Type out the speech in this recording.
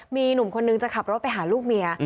มีหนุ่มคนนึงจะขับรถไปหาลูกเมีย